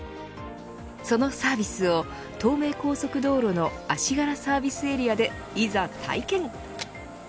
そのサービスを東名高速道路の足柄サービスエリアでいざ体験。